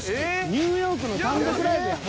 ニューヨークの単独ライブやん。